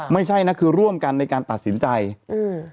ไม่ใช่นะคือร่วมกันในการตัดสินใจอืม